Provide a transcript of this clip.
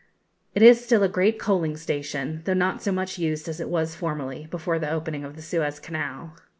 It is still a great coaling station, though not so much used as it was formerly, before the opening of the Suez Canal.